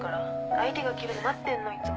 相手が切るの待ってんのいつも。